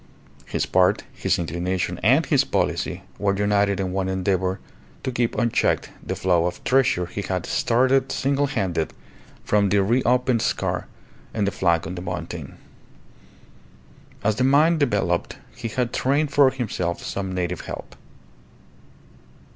His part, his inclination, and his policy were united in one endeavour to keep unchecked the flow of treasure he had started single handed from the re opened scar in the flank of the mountain. As the mine developed he had trained for himself some native help.